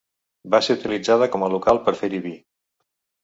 Va ser utilitzada com a local per fer-hi vi.